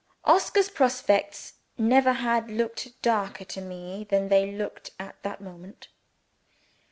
Oscar's prospects never had looked darker to me than they looked at that moment.